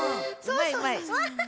うまいうまい。